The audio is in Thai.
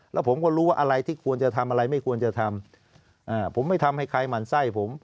แล้วผมก็รู้ว่าอะไรที่ควรจะทำอะไรไม่ควรจะทำผมไม่ทำให้ใครหมั่นไส้ผม